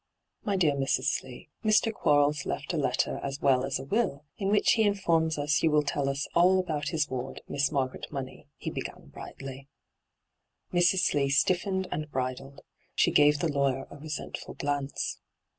' My dear Mrs. Slee, Mr. Quarles left a letter as well as a will, in which he informs us you will tell us all about his ward, Miss Margaret Money,' he b^an brightly. Mrs. Slee stiffened and bridled. She gave Hie lawyer a resentful glance.